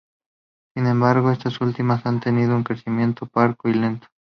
Sin embargo estas últimas han tenido un crecimiento parco y lento.